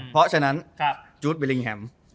เพราะฉะนั้นจู๊ดวิลิงแฮม